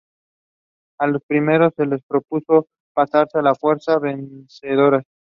A los prisioneros se les propuso pasarse a las fuerzas vencedoras.